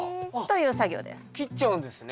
という作業です。